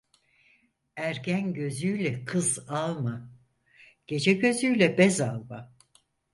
Ergen gözüyle kız alma, gece gözüyle bez alma.